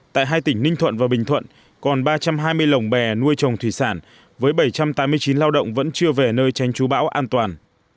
tại hai tỉnh ninh thuận và bình thuận còn ba trăm hai mươi lồng bè nuôi trồng thủy sản với bảy trăm tám mươi chín lao động vẫn chưa về nơi tranh trú bão an toàn